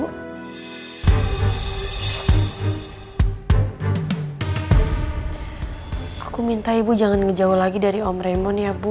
aku minta ibu jangan ngejawa lagi dari om remon ya bu